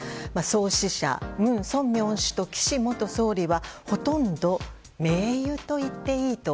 創始者・文鮮明氏と岸元総理はほとんど盟友と言っていいと。